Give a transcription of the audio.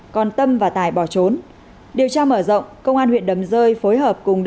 còn tâm và tài bỏ trốn